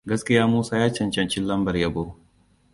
Gaskiya Musa ya cancanci lambar yabo.